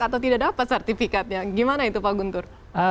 atau tidak dapat sertifikatnya gimana itu pak guntur